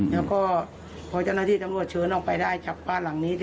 แล้วก็พอเจ้าหน้าที่ตำรวจเชิญออกไปได้จับบ้านหลังนี้